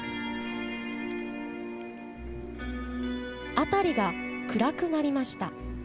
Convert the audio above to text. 辺りが暗くなりました。